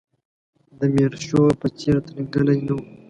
د میرشو په څېر ترینګلی نه و.